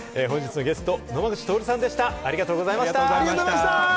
本日のゲスト、野間口徹さん